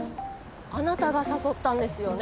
あなたが誘ったんですよね？